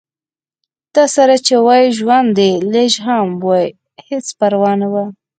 تاسره چې وای ژوند دې لږ هم وای هېڅ پرواه نه وه